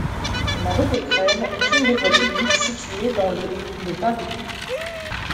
La rue Pétrelle est une voie publique située dans le de Paris.